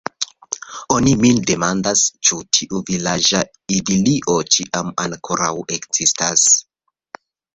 Oni min demandas, ĉu tiu vilaĝa idilio ĉiam ankoraŭ ekzistas.